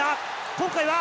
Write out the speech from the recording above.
今回は？